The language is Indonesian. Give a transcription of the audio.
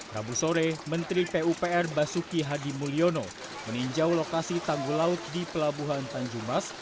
rabu sore menteri pupr basuki hadi mulyono meninjau lokasi tangguh laut di pelabuhan tanjumas